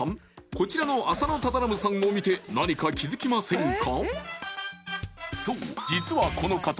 こちらの浅野忠信さんを見て何か気づきませんか？